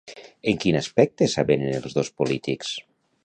En quin aspecte s'avenen els dos polítics?